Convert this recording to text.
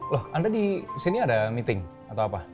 loh anda di sini ada meeting atau apa